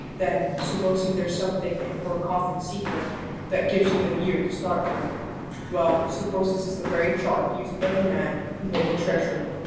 "Then, supposing there's something in poor Coffin's secret, that gives you the year to start from. We'll suppose this is the very chart used by the man who hid the treasure.